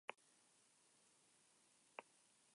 En "Cursiva" los equipos desaparecidos.